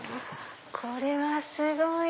これはすごい！